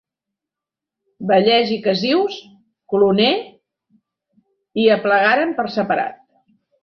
Vallès i Cassius Cloner hi aplegaren per separat.